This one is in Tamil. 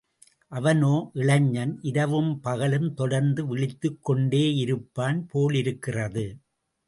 அவனோ இளைஞன், இரவும் பகலும் தொடர்ந்து விழித்துக் கொண்டேயிருப்பான் போலிருக்கிறது.